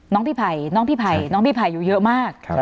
น้องพี่ภัยน้องพี่ภัยน้องพี่ภัยอยู่เยอะมาก